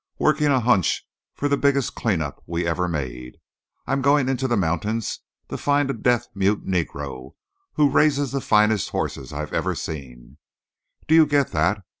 Working a hunch for the biggest clean up we ever made. I'm going into the mountains to find a deaf mute Negro who raises the finest horses I've ever seen. Do you get that?